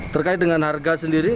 terkait dengan harga sendiri